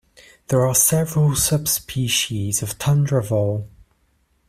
There are several subspecies of tundra vole.